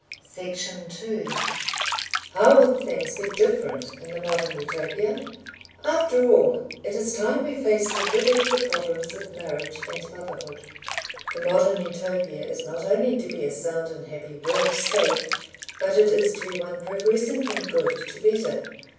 Section 2 How would things be "different" in the Modern Utopia? After all it is time we faced the riddle of the problems of marriage and motherhood.... The Modern Utopia is not only to be a sound and happy World State, but it is to be one progressing from good to better.